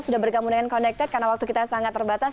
sudah bergabung dengan connected karena waktu kita sangat terbatas